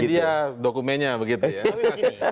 ini dia dokumennya begitu ya